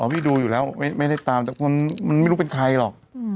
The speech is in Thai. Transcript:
พี่ดูอยู่แล้วไม่ได้ตามแต่มันไม่รู้เป็นใครหรอก